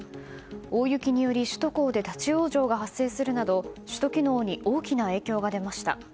大雪により首都高で立ち往生が発生するなど首都機能に大きな影響が出ました。